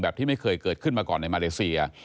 ที่ไม่เคยเกิดขึ้นมาก่อนในมาเลเซีย